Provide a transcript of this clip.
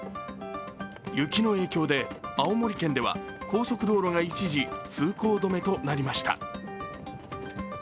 雪の影響で青森県では高速道路が一時通行止めとなりました。